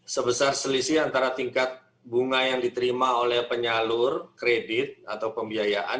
sebesar selisih antara tingkat bunga yang diterima oleh penyalur kredit atau pembiayaan